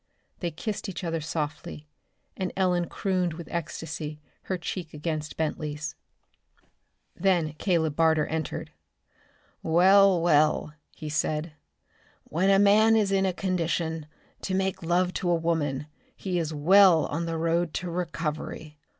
They kissed each other softly, and Ellen crooned with ecstasy, her cheek against Bentley's. Then Caleb Barter entered. "Well, well," he said, "when a man is in condition to make love to a woman, he is well on the road to recovery.